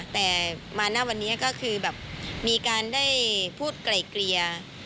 แต่มาณวันนี้ก็คือแบบมีการได้พูดไกล่เกลี่ย